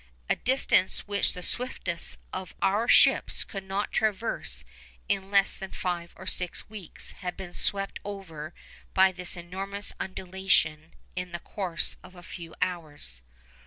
A distance which the swiftest of our ships could not traverse in less than five or six weeks had been swept over by this enormous undulation in the course of a few hours.